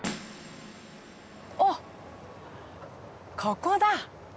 おっここだ。